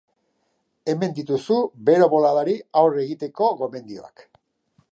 Hemen dituzu bero boladari aurre egiteko gomendioak.